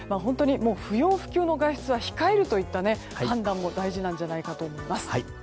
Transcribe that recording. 不要不急の外出は控えるといった判断も大事だと思います。